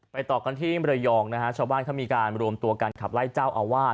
ต่อกันที่มรยองนะฮะชาวบ้านเขามีการรวมตัวกันขับไล่เจ้าอาวาส